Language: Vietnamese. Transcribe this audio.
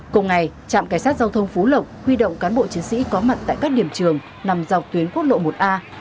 cùng ngày trạm cảnh sát giao thông phú lộc huy động cán bộ chiến sĩ có mặt tại các điểm trường nằm dọc tuyến quốc lộ một a